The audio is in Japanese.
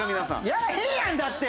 やらへんやんだって！